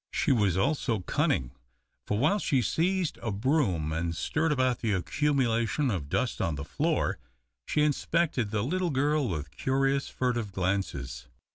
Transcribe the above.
She was also cunning, for, while she seized a broom and stirred about the accumulation of dust on the floor, she inspected the little girl with curious, furtive glances.